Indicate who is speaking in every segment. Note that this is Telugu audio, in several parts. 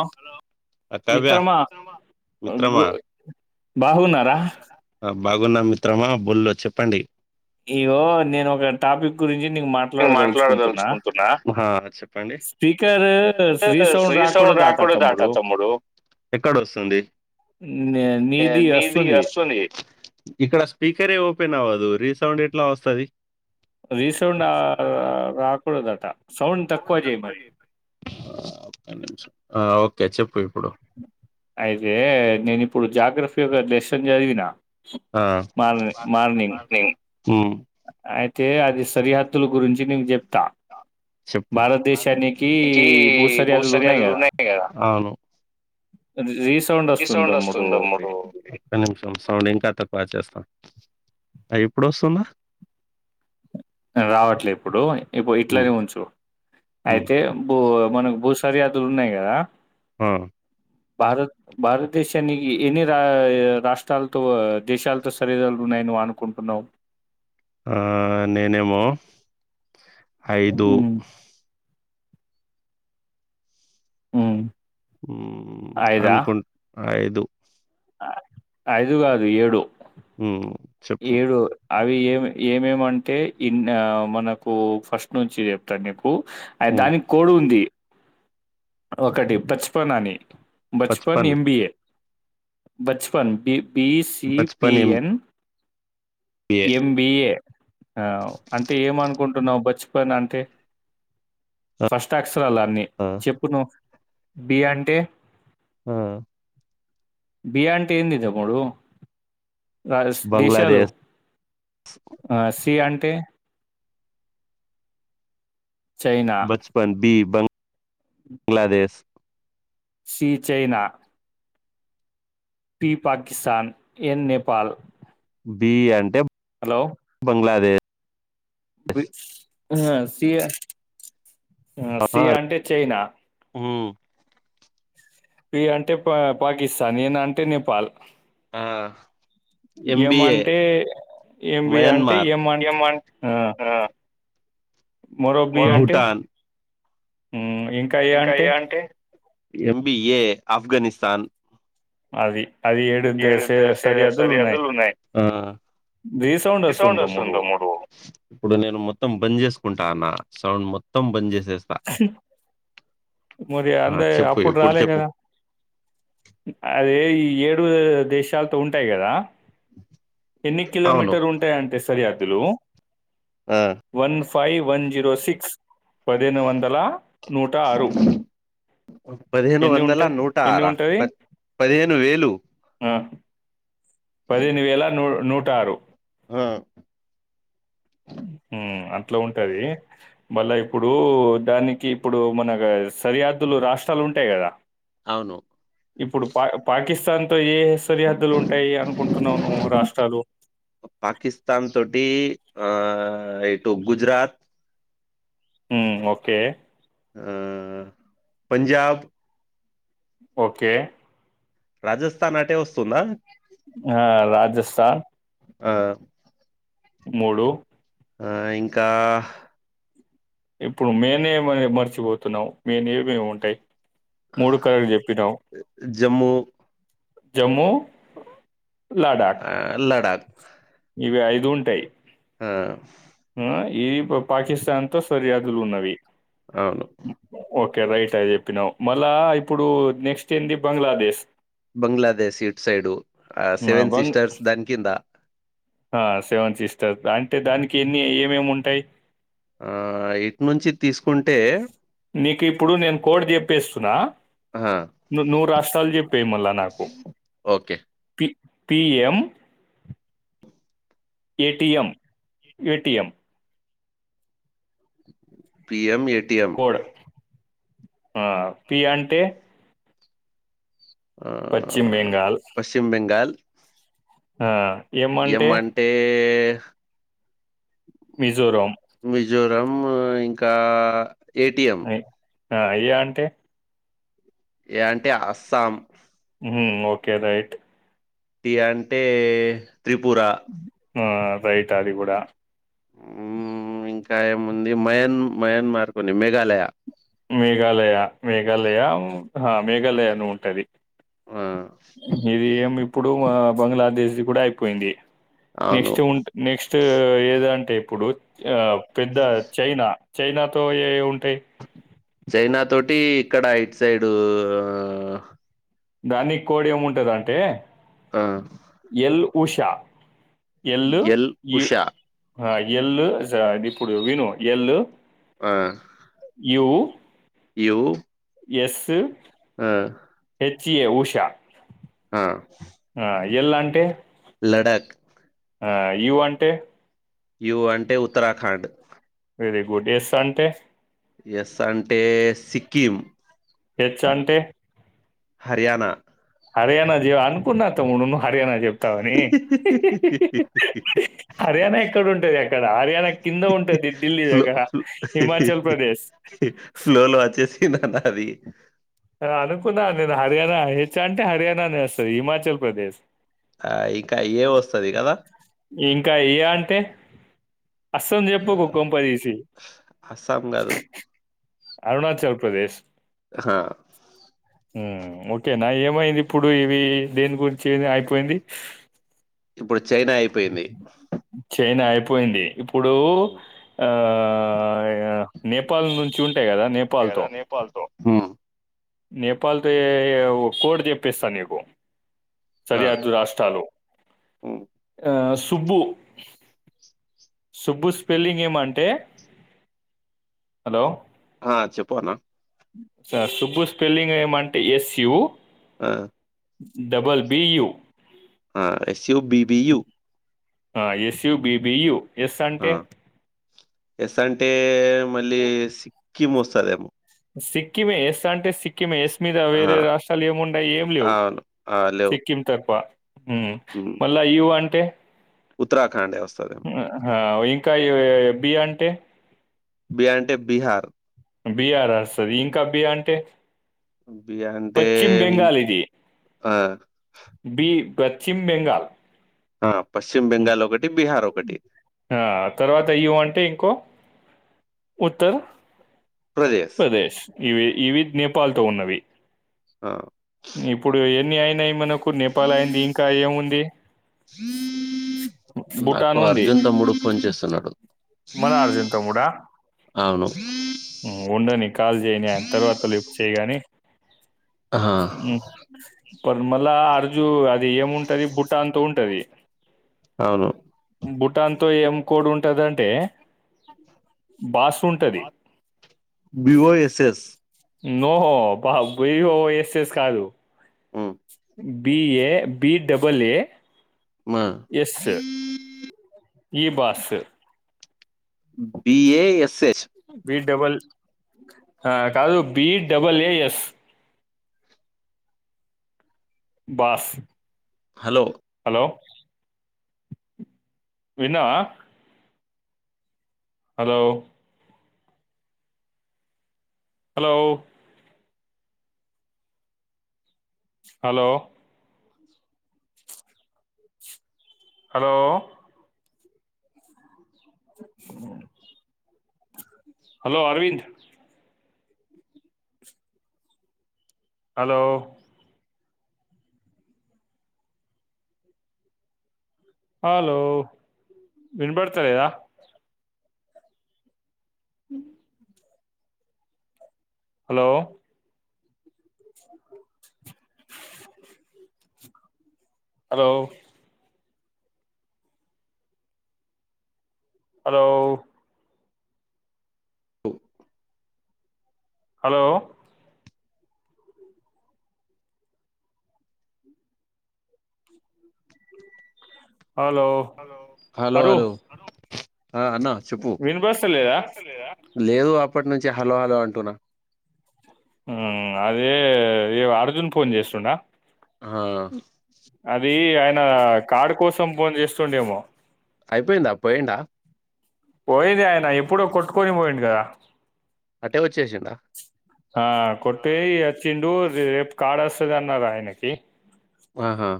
Speaker 1: ఆ
Speaker 2: ఆ
Speaker 1: [inaudible]
Speaker 2: కావ్య
Speaker 1: మీత్రమా గు
Speaker 2: మిత్రమా
Speaker 1: బాగున్నారా
Speaker 2: ఆ బాగున్నా మిత్రమా బుల్ల్లో చెప్పండి
Speaker 1: ఇగో నేను ఒక టాపిక్ గురించి నీ మాట్లాడదలుచుకుంటున్నా
Speaker 2: చెప్పండి
Speaker 1: స్పీకర్ రీసౌండ్ రాకుడ
Speaker 2: రాకుడదట తమ్ముడు ఎక్కడ వస్తుంది నీది వస్తుంది ఇక్కడ స్పీకరే ఓపెన్ అవ్వదు రీ సౌండ్ ఎట్లా వస్తది
Speaker 1: రీసౌండ్ ఆ రాకుడదట సౌండ్ తక్కువ చేయీ మరి
Speaker 2: ఆ ఓకే చెప్పు ఇప్పుడు
Speaker 1: అయితే నేను ఇప్పుడు జాగ్రఫీ ఒక లెసన్ చదివిన
Speaker 2: ఆ
Speaker 1: మార్ని మార్నింగ్ అయితే అది సరిహద్దుల గురించి నీకు చెప్తా
Speaker 2: చెప్పు
Speaker 1: భారతదేశానికి
Speaker 2: కి
Speaker 1: భూసరి
Speaker 2: భూ
Speaker 1: హద్దులునాయి
Speaker 2: సర్యాదులు
Speaker 1: కద
Speaker 2: ఉన్నాయి కదా
Speaker 1: ర [unintelligible]
Speaker 2: రే సౌండ్ వస్తుంది తమ్ముడు ఒక్క నిమిషం సౌండ్ ఇంకాత వచేస్తాం ఎప్పుడు వస్తుందా
Speaker 1: రావట్లే ఇప్పుడు ఇప్పు
Speaker 2: ఉమ్
Speaker 1: ఇట్లనే ఉంచు
Speaker 2: ఉమ్
Speaker 1: అయితే బూ మనకు భూ సరిహద్దులు ఉన్నాయి కదా
Speaker 2: హ
Speaker 1: భారత్ భారతదేశానికి ఎన్ని రా రాష్ట్రాలతో దేశాలతో సరిహద్దులు ఉన్నాయి నేను అనుకుంటున్నావు
Speaker 2: ఆ నేనేమో ఐదు
Speaker 1: హ్మ్. ఉం
Speaker 2: ఉం అనుకుంట ఐదు
Speaker 1: ఐదు కాదు ఏడు
Speaker 2: ఉం
Speaker 1: ఏడు అవి ఏమి ఏమేమంటే ఇ మనకు ఫస్ట్ నుంచి చెప్తాను నీకు
Speaker 2: ఉమ్
Speaker 1: దానికి కోడు ఉంది ఒకటి బచపన్ అని Bachpan
Speaker 2: Bachpan
Speaker 1: MBA Bachpan B B
Speaker 2: Bachpan
Speaker 1: CPN
Speaker 2: MBA
Speaker 1: M B A ఆ అంటే ఏమనుకు కుంటున్నావు బచపన్ అంటే
Speaker 2: ఆ
Speaker 1: ఫస్ట్ అక్షరాలు అన్ని చెప్పు నువ్ బి అంటే
Speaker 2: మ్మ్
Speaker 1: బియా అంటే ఏంది చెప్పడు రా దేశాలు
Speaker 2: బంగ్లాదేశ్
Speaker 1: ఆ! సి అంటే చైనా.
Speaker 2: బచపన్ బి బన్ Bangladesh
Speaker 1: C China P Pakistan N Nepal
Speaker 2: B అంటే
Speaker 1: హలో
Speaker 2: బంగ్లాదే
Speaker 1: సి ఆ సి
Speaker 2: ఆహా
Speaker 1: ఆ ఆ అంటే చైనా
Speaker 2: ఉమ్
Speaker 1: పి అంటే పా పాకిస్తాన్ ఎన అంటే నేపాల్
Speaker 2: ఆ ఎం బి ఏ
Speaker 1: 'ఎంబి' అంటే
Speaker 2: మయన్మార్
Speaker 1: 'ఎం' అంటే
Speaker 2: ఆ
Speaker 1: మరో బి
Speaker 2: మరొక
Speaker 1: అంటే మ్మ్
Speaker 2: ఇంకా ఏ అంటే ఎం బి ఏ ఆఫ్ఘనిస్తాన్
Speaker 1: అది
Speaker 2: ఏడు దే సే సరిహద్దులున్నాయి రీ సౌండ్ వస్తుంది తమ్ముడు ఇప్పుడు నేను మొత్తం బంద్ చేసుకు కుంటాన్న సౌండ్ మొత్తం బంద్ చేసేస్తా
Speaker 1: మరి
Speaker 2: ఆ
Speaker 1: అంటె
Speaker 2: చెప్పు
Speaker 1: అప్పుడు
Speaker 2: ఇప్పుడు
Speaker 1: రాలే
Speaker 2: చెప్పు
Speaker 1: కదా అది డే ఈ ఏడు దేశాలతో ఉంటాయి కదా ఎన్ని
Speaker 2: అవును
Speaker 1: కిలోమీటర్ ఉంటాయ అంటే సరి అద్దులు
Speaker 2: ఆ
Speaker 1: వన్ ఫో ఫైవ్ వన్ జీరో సిక్స్ పదిహేను వందల నూట ఆరు
Speaker 2: పదిహేను
Speaker 1: ఎన్ని
Speaker 2: వందల
Speaker 1: ఉంటాయి
Speaker 2: నూట
Speaker 1: ఎన్ని
Speaker 2: ఆరా
Speaker 1: ఉంటది
Speaker 2: ప పదిహేను వేలు
Speaker 1: ఆ పదిహేను వేల నూ నూట ఆరు
Speaker 2: ఆ
Speaker 1: మ్మ్ అట్ల ఉంటది మళ్ళా ఇప్పుడు దానికి ఇప్పుడు మనగా సరిహద్దులు రాష్ట్రాలు ఉంటాయి కదా
Speaker 2: అవును
Speaker 1: ఇప్పుడు పా పాకిస్తాన్ తో ఏ సరిహద్దులు ఉంటాయి అనుకుంటున్నావు నువ్వు రాష్ట్రాలు
Speaker 2: పాకిస్తాన్ తోటి ఆ ఆ ఎటు గుజరాత్
Speaker 1: మ్ ఓకే
Speaker 2: ఆ పంజాబ్
Speaker 1: ఓకే
Speaker 2: రాజస్థాన్ అంటే వస్తుంద
Speaker 1: ఆ రాజస్థాన్
Speaker 2: ఆ
Speaker 1: మూడు
Speaker 2: ఆ ఇంకా
Speaker 1: ఇప్పుడు మేమే మా మర్చిపోతున్నాం మేమే ఏమేమి ఉంటాయి మూడు కళలు చెప్పినావ్
Speaker 2: జమ్మూ
Speaker 1: జమ్మూ లడాక్
Speaker 2: ఆ లడాక్
Speaker 1: ఇవి ఐదు ఉంటాయి
Speaker 2: ఆ
Speaker 1: మ్మ్ ప పాకిస్తాన్ తో సరి హద్దులు ఉన్నవి
Speaker 2: అవును
Speaker 1: ఓకే ఓకే రైట్ అది చెప్పినావ్ మళ్ళా ఇప్పుడు నెక్స్ట్ ఏంది బంగ్లాదేశ్
Speaker 2: బంగ్లాదేశ్ ఇట్ సైడు ఆ సెవెన్ సిస్టర్స్ దాని కింద
Speaker 1: సేవన్ సిస్టర్స్ అంటే దానికి ఎన్ని ఏమేమి ఉంటాయి
Speaker 2: ఆ, ఇటు నుంచి తీసుకుంటే
Speaker 1: నీకు ఇప్పుడు నేను కోడ్ చెప్ ప్పెస్తున్నా
Speaker 2: ఆహా,
Speaker 1: ను నువ్వు రాష్ట్రాలు జేప్పేయ్ మళ్ళా నాకు
Speaker 2: okay
Speaker 1: P PM ATM ATM
Speaker 2: PM ఎ
Speaker 1: కోడ్ ఆ పి అంటే
Speaker 2: ఆ,
Speaker 1: పశ్చిమ్ బెంగాల్
Speaker 2: పశ్చిమ
Speaker 1: ఆ..
Speaker 2: ఏం అంటే..
Speaker 1: మిజోరం
Speaker 2: రం ఇంకా ఏటిఎం
Speaker 1: ఎ ఆ ఏ అంటే
Speaker 2: ఏ అంటే అస్సాం
Speaker 1: ఓకే రైట్
Speaker 2: టి అంటే త్రిపుర
Speaker 1: ఆ రైట్ అది కూడా
Speaker 2: ఇంకా ఏముంది మయన్ మయన్మార్కుని మేఘాలయ
Speaker 1: మేఘాలయ మేఘాలయ మేఘాలయ అని ఉంటది
Speaker 2: వా
Speaker 1: ఇది ఏమి ఇప్పుడు బంగ్లాదేశ్ది కూడా అయిపోయింది
Speaker 2: అవును
Speaker 1: నెక్స్ట్ ఉ నెక్స్ట్ ఏదం టే ఇప్పుడు ఆ పెద్ద చైనా చైనాతో ఏ ఉంటాయి
Speaker 2: చైనా తోటి ఇక్కడ ఇట్ సైడూ....
Speaker 1: దానికి కోడ్ ఏముంటదంటే
Speaker 2: ఆ
Speaker 1: Usha L
Speaker 2: L
Speaker 1: U
Speaker 2: Usha
Speaker 1: ఆ ఎల్లుజాడి ఇప్పుడు విను ఎల్లు
Speaker 2: ఆ..
Speaker 1: యూ
Speaker 2: యు
Speaker 1: ఎస్సు
Speaker 2: ఆ
Speaker 1: హెచ్ ఎ ఉష
Speaker 2: ఆ
Speaker 1: ఆ ఎల్ అంటే
Speaker 2: లడాక్
Speaker 1: ఆ యు అంటే?
Speaker 2: యు అంటే ఉత్తరాఖండ్
Speaker 1: వెరీ గుడ్ ఎస్ అంటే
Speaker 2: ఎస్ అంటే సిక్కిం
Speaker 1: హెచ్ అంటే?
Speaker 2: హర్యానా
Speaker 1: హర్యానా జీవ అనుకున్న తమ్ము నును నువ్వు హర్యానా జెప్ కాని హర్యానా ఎక్కడ ఉంటది అక్కడ హర్యాన కింద ఉంటది డిల్లీ
Speaker 2: ఫ్లో
Speaker 1: దగ్గర
Speaker 2: ఫ్లో
Speaker 1: హిమాచల్ ప్రదేశ్
Speaker 2: కింద అన్న అది
Speaker 1: హా అనుకున్నాను నేను హర్యానా హెచ్ అంటే హర్యానానే వస్తది హిమాచల్ ప్రదేశ్
Speaker 2: ఆ ఇంకా ఏ వస్తది కదా
Speaker 1: ఇంకా ఎ అంటే అస్సం
Speaker 2: ఆ,
Speaker 1: చెప్పుకు కొంపదీసి
Speaker 2: అస్సాం గాదు
Speaker 1: అరుణాచల్ ప్రదేశ్
Speaker 2: హా
Speaker 1: ఉమ్ ఓకే నా ఏమైంది ఇప్పుడు ఇవి దేని గురించి ఏ అయిపోయింది.
Speaker 2: ఇప్పుడు చైనా అయిపోయింది.
Speaker 1: పోయింది ఇప్పుడు ఆ నేపాల్ నుంచి ఉం టే గదా
Speaker 2: అంతే
Speaker 1: నేపాల్
Speaker 2: కదా
Speaker 1: తో
Speaker 2: నేపాల్తో ఉమ్,
Speaker 1: నేపాల్ తో ఏ కోట్ దెపిస్త నీకు
Speaker 2: ఆ
Speaker 1: సరిహద్దు రాష్ట్రాలు
Speaker 2: ఉమ్.
Speaker 1: ఆ సుబ్బు సుబ్బు స్పెల్లింగ్ ఏమంటే హలో
Speaker 2: ఆ చెప్పు అన్నా
Speaker 1: సార్ సుబ్బు స్పెల్లింగ్ ఏమంటే ఎస్ యూ
Speaker 2: ఆ
Speaker 1: డబల్ బియూ
Speaker 2: ఆ ఎస్ యు బిబియు
Speaker 1: ఆ ఎస్ యూ బిబియూ ఎస్
Speaker 2: ఆ
Speaker 1: అంటే
Speaker 2: ఎస్ అంటే మళ్ళీ
Speaker 1: హ్మ్.
Speaker 2: సిక్కిం వస్తదేమో
Speaker 1: సిక్కిమే ఎస్ అంటే సి సిక్కిం ఎస్ మీద
Speaker 2: ఆ!
Speaker 1: వేరే రాష్ట్రాలు ఏమున్నాయి ఏం లేవు
Speaker 2: అవును. ఆ! లేవు.
Speaker 1: సిక్కిం తప్ప ఉమ్ మళ్ళా యు అంటే
Speaker 2: ఉత్తరాఖాండే వస్తదేమో
Speaker 1: అవ్ ఇంకా బి అంటే
Speaker 2: బి అంటే బీహార్
Speaker 1: బీహార్ వస్తది ఇంకా బి అంటే
Speaker 2: బి అంటే
Speaker 1: పశ్చిమ్
Speaker 2: ఇం
Speaker 1: బెంగాల్ ఇది
Speaker 2: ఆ
Speaker 1: బి పశ్చిమ్ బెంగాల్
Speaker 2: ఆ పశ్చిమ
Speaker 1: ఉమ్
Speaker 2: బెంగాల్ ఒకటి, బీహార్ ఒకటి.
Speaker 1: ఆ తర్వాత యు అంటే ఇంకో ఉత్తర్
Speaker 2: ప్రదేశ్
Speaker 1: ఇవి ఇవి నేపాల్ తో ఉన్నవి
Speaker 2: ఆ!
Speaker 1: ఇప్పుడు ఎన్ని అయినయ్ మనకు నేపాల్ అయింది ఇంకా ఏముంది భూటాన్ ఉంది
Speaker 2: తెలడు
Speaker 1: మన అర్జున్ తమ్ముడా
Speaker 2: అవును.
Speaker 1: ఉండని కాల్ జేయని తర్వాత లిఫ్ట్ చేయిగాని
Speaker 2: ఆ!
Speaker 1: ఉమ్ పరిమళ అర్జు అది ఏముంటది బుట్టా అంత ఉంటది
Speaker 2: అవును
Speaker 1: భూటాన్ తో ఏం కోడ్ ఉంటదంటే బాస్ ఉంటది
Speaker 2: బిఓఎస్ఎస్
Speaker 1: నో బా బి ఓ ఎస్ ఎస్ కాదు
Speaker 2: హ్మ్.
Speaker 1: బిఏ బి డబల్ ఏ
Speaker 2: మా
Speaker 1: ఎస్ ఈ boss
Speaker 2: BA SS
Speaker 1: B double కాదు B double A S boss
Speaker 2: hello
Speaker 1: లో విన్నవా హలో హలో హలో హలో అ హలో అరవింద్ హలో హలో విన్బడత [unintelligible] ఉ hello hello hello hello hello
Speaker 2: hello
Speaker 1: అరు
Speaker 2: హలో ఆ అన్న చెప్పు
Speaker 1: వినబడస్తలేదా
Speaker 2: లేదు అప్పటి నుంచి హలో హలో అంటున్నా
Speaker 1: ఊ అదే ఈ అర్జున్ ఫోన్ చేస్తుండా
Speaker 2: ఆ
Speaker 1: అదీ ఆయన కార్డు కోసం ఫోన్ చేస్తుండేమో
Speaker 2: అయిపోయిందా పొయిండా
Speaker 1: పోయింది ఆయన ఎప్పుడో కొట్టుకొని పోయిండు గదా
Speaker 2: అట్టే వచ్చేసిండా
Speaker 1: ఆ కొట్టే ఒచ్చిండు రేపు కార్డ్ ఒస్తది అన్నారు ఆయనకి
Speaker 2: ఆహా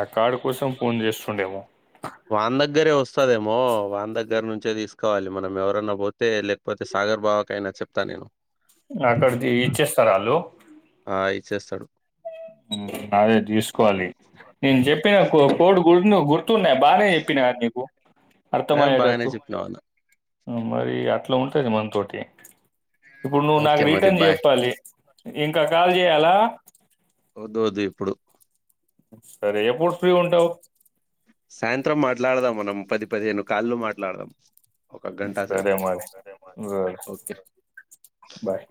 Speaker 1: ఆ కార్డు కోసం ఫోన్ చేస్తుండేమో
Speaker 2: వాన్ దగ్గరే వస్తదేమో, వాన్ దగ్గర నుంచే తీసుకోవాలి, మనం ఎవరన్నా పోతే లేకపోతే స. ఆగర్ బావ కైన చెప్తా నేను
Speaker 1: అక్కడిది ఇచ్చేస్తరా ఆళ్ళు
Speaker 2: చేస్తడు
Speaker 1: హ్మ్ అదే తీసుకోవాలి నేను చెప్పిన కో కోడ్ [unintelligible] గుర్ తున్నాయ్ బానే ఎప్పిన అ నీకు
Speaker 2: ఏ బాగానే
Speaker 1: అర్థమయ్యేటట్టు
Speaker 2: చెప్పినావు అన్న
Speaker 1: అ మరీ అట్లా ఉంటది మనతోటి ఇప్పుడు నువ్వు నాకు
Speaker 2: ఓకే మరి
Speaker 1: రిటర్న్
Speaker 2: బాయ్
Speaker 1: చెప్పాలి ఇంకా కాల్ జేయాలా
Speaker 2: వద్దూ వదు ఇప్పుడు
Speaker 1: సరే ఎప్పుడు ఫ్రీ ఉంటావు
Speaker 2: సాయంత్రం మాట్లాడదాం మనం పది పదిహేను కాళ్ళు మాట్లాడుదాం
Speaker 1: సరే మరి
Speaker 2: ఓకే
Speaker 1: [unintelligible] బాయ్